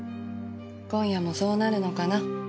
今夜もそうなるのかな？